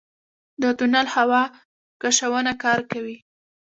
د تونل هوا کشونه کار کوي؟